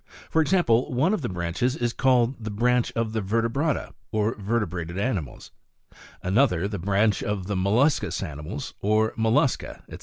For example; one of the branches is called the branch of the vertebrata, (or vertebrated animals,) another the branch of the molluscous animals, or mollusca, &c.